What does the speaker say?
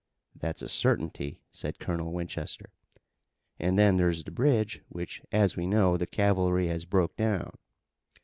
"That's a certainty," said Colonel Winchester. "An' then there's the bridge, which, as we know, the cavalry has broke down."